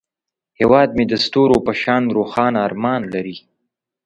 هیواد مې د ستورو په شان روښانه ارمان لري